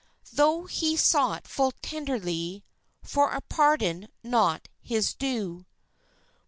Though he sought full tenderly For a pardon not his due.